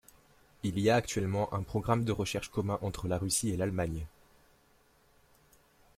Il y a actuellement un programme de recherche commun entre la Russie et l'Allemagne.